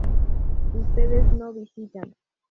Ustedes no visitan